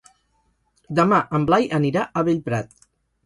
Demà en Blai anirà a Bellprat.